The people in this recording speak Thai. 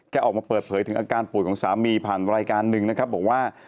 ออกมาเปิดเผยถึงอาการป่วยของสามีผ่านรายการหนึ่งนะครับบอกว่า